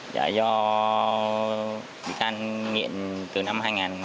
do bị can nghiện từ năm hai nghìn một mươi hai